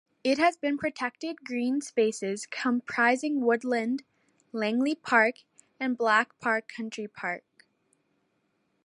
It has protected green spaces comprising woodland, Langley Park and Black Park Country Park.